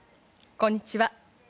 こんにちは。